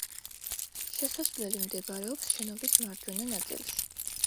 შესასვლელი მდებარეობს შენობის მარჯვენა ნაწილში.